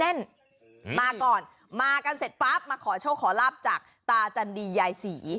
มาก่อนมากันเสร็จปั๊บมาขอโชคขอลาบจากตาจันดียายศรี